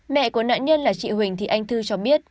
mẹ của nạn nhân là chị huỳnh thị anh thư cho biết